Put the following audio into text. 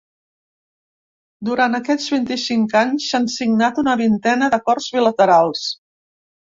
Durant aquests vint-i-cinc anys, s’han signat una vintena d’acords bilaterals.